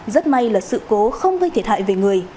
rất may là sự cố không gây thiệt hại về người